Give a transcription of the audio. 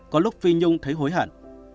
có lúc phi nhung thấy hối hận